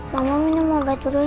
mama minum obat dulu ya